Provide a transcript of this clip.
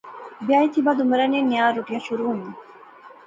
بیاہے تھی بعد عمرانے نیاں روٹیاں شروع ہوئیاں